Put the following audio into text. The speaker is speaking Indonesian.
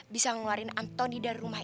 bisa ngeluarin antoni dari rumah